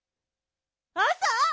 あさ！？